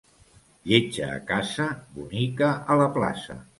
Lletja a casa, bonica a la plaça.